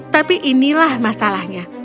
tapi inilah masalahnya